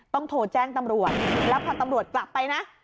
ต้องโทรแจ้งตำรวจแล้วพอตำรวจกลับไปนะ